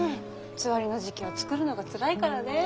つわりの時期は作るのがつらいからね。